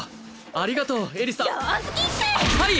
ありがとうエリサはい！